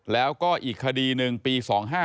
แล้วก็อีกคดีหนึ่งปี๒๕๕๙